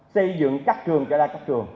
xây dựng các trường cho ra các trường